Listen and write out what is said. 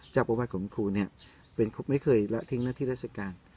จากประวัติของครูเนี้ยเป็นครูไม่เคยละทิ้งหน้าที่ราชการ